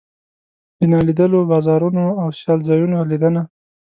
د نالیدلو بازارونو او سیال ځایونو لیدنه.